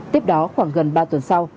tiếp đó khoảng gần ba tuần sau